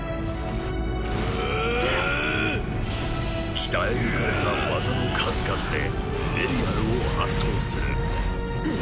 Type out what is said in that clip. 鍛え抜かれた技の数々でベリアルを圧倒するフン！